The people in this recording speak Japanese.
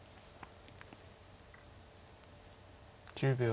１０秒。